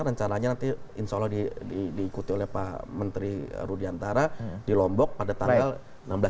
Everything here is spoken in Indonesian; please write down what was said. rencananya nanti insya allah diikuti oleh pak menteri rudiantara di lombok pada tanggal enam belas